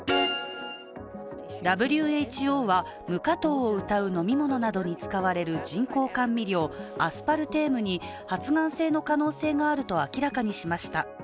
ＷＨＯは、無加糖をうたう飲み物などに使われる人工甘味料・アスパルテームに発がん性の可能性があると明らかにしました。